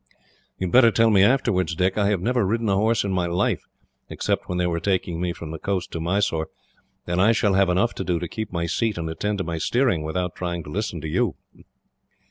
"You had better tell me afterwards, Dick. I have never ridden a horse in my life, except when they were taking me from the coast to Mysore, and I shall have enough to do to keep my seat and attend to my steering, without trying to listen to you."